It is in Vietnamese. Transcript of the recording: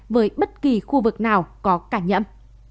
với bất kỳ khu vực nào có cảnh nhẫm